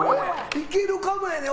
いけるかもやねん。